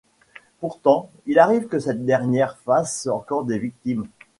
Pourtant, il arrive que cette dernière fasse encore des victimes.